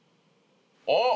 あっ！